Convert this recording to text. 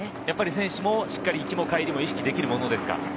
やっぱり選手もしっかり行きも帰りも意識できるものですか？